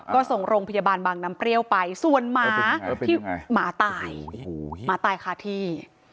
ก็ส่งโรงพยาบาลบางน้ำเปรี้ยวไปส่วนหมาที่หมาตายหมาตายคาที่